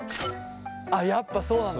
あっやっぱそうなんだ。